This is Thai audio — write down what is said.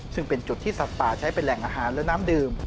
ซึ่งเป็นจุดที่สัตว์ป่าใช้เป็นแหล่งอาหารและน้ำดื่ม